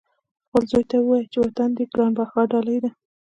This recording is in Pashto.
خپل زوی ته ووایه چې وطن دې ګران بها ډالۍ دی.